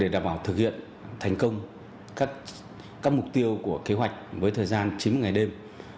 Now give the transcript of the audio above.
đảm bảo thực hiện thành công các mục tiêu của kế hoạch với thời gian chín mươi ngày đêm